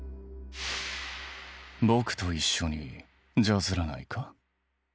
「僕と一緒にジャズらないか？」。